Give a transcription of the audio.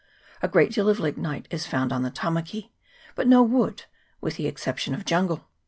A great deal of lignite is found on the Tamaki, but no wood, with the exception of jungle.